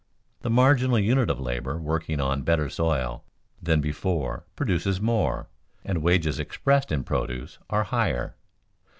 The marginal unit of labor working on better soil than before produces more, and wages expressed in produce are higher.